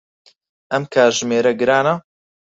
ئەم کاتژمێرە گرانە.